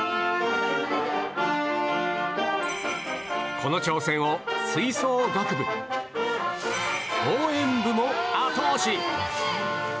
この挑戦を吹奏楽部、応援部も後押し。